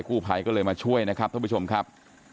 กู้ภัยก็เลยมาช่วยนะครับท่านผู้ชมครับ